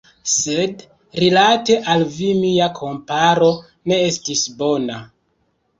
Sed rilate al vi mia komparo ne estis bona.